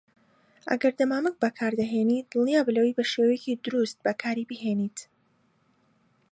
ئەگەر دەمامک بەکاردەهێنیت، دڵنیابە لەوەی بەشێوەیەکی دروست بەکاریبهێنیت.